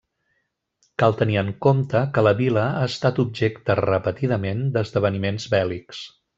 Cal tenir en compte que la vila ha estat objecte, repetidament, d'esdeveniments bèl·lics.